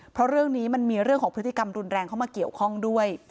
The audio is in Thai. เพราะเรื่องนี้มันมีเรื่องของพฤติกรรมรุนแรงเข้ามาเกี่ยวข้องด้วย